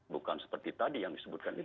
bukan seperti tadi yang disebutkan itu